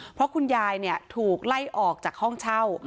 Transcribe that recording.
เพราะคุณยายถูกไล่ออกจากห้องเช่า